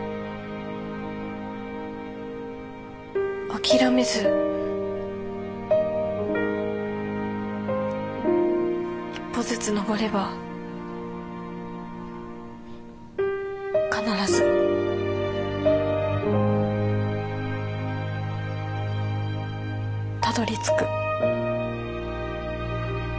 諦めず一歩ずつ登れば必ずたどりつく。